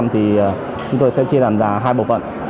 thì chúng tôi sẽ chia làm ra hai bộ phận